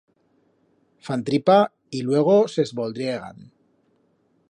Fan tripa y luego s'esvoldriegan.